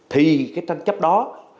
thì cái tăng chấp đó